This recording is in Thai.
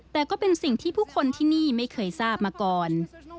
แต่ก็เป็นสิ่งที่ผู้คนที่นี่ไม่เคยทราบมาก่อน